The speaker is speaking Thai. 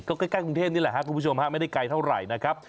ก็ใกล้กรุงเทพนี่แหละครับคุณผู้ชมฮะไม่ได้ไกลเท่าไหร่นะครับ